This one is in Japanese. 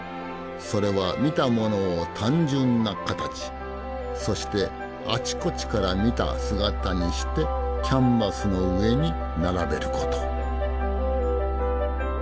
それは見たものを単純な形そしてあちこちから見た姿にしてキャンバスの上に並べること。